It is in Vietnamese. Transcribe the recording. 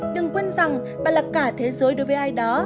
đừng quên rằng bạn là cả thế giới đối với ai đó